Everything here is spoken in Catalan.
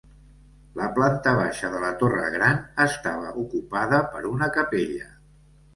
La planta baixa de la torre gran estava ocupada per una capella.